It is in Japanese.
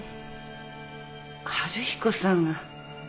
春彦さんが。